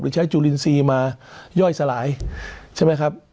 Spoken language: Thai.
ใช้จุลินทรีย์มาย่อยสลายใช่ไหมครับ